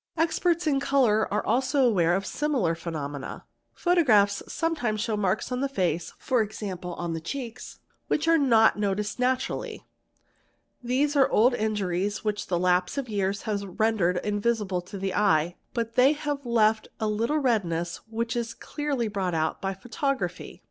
ixperts in colours are also aware of similar phenomena. Photo ws hs sometimes show marks on the face, e.g., on the cheeks, which are 256 THE EXPERT not noticeable naturally. These are old injuries which the lapse of years : has rendered invisible to the eye, but they have left a little redness which is clearly brought out by photography.